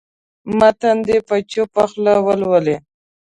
متن دې په چوپه خوله ولولي.